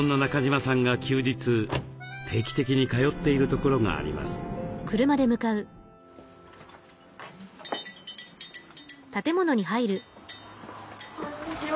こんにちは。